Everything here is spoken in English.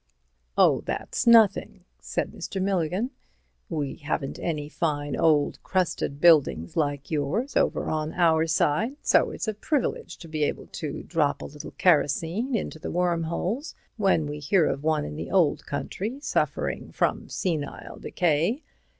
"Oh, that's nothing," said Mr. Milligan, "we haven't any fine old crusted buildings like yours over on our side, so it's a privilege to be allowed to drop a little kerosene into the worm holes when we hear of one in the old country suffering from senile decay.